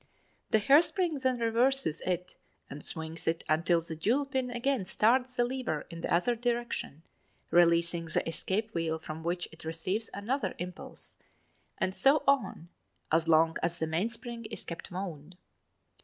The hairspring then reverses it and swings it until the jewel pin again starts the lever in the other direction, releasing the escape wheel from which it receives another "impulse" and so on as long as the mainspring is kept wound.